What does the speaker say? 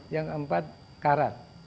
yang keempat karat